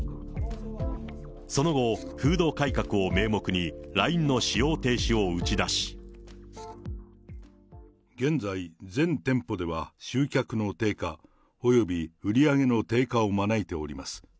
その後、風土改革を名目に、現在、全店舗では集客の低下、および売り上げの低下を招いております。